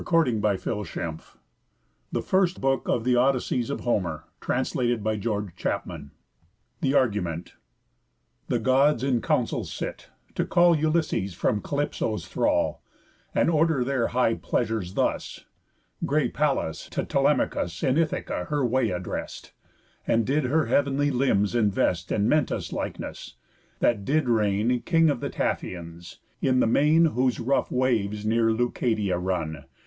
None. Thy reason call. If I confess of one I anger all. THE FIRST BOOK OF HOMER'S ODYSSEYS THE ARGUMENT The Gods in council sit, to call Ulysses from Calypso's thrall, And order their high pleasures thus: Grey Pallas to Telemachus (In Ithaca) her way addrest; And did her heav'nly limbs invest In Mentas' likeness, that did reign King of the Taphians, in the main Whose rough waves near Leucadia run.